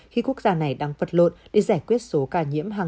khi quốc gia này đang vật lộn để giải quyết sự tiêm chủng